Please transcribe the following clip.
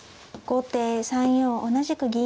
後手３四同じく銀。